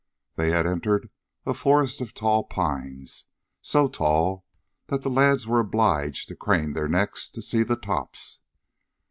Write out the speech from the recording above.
They had entered a forest of tall pines, so tall that the lads were obliged to crane their necks to see the tops.